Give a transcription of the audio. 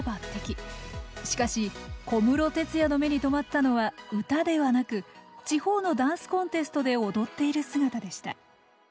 しかし小室哲哉の目に留まったのは歌ではなく地方のダンスコンテストで踊っている姿でした。